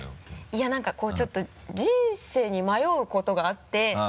いやなんかこうちょっと人生に迷うことがあって。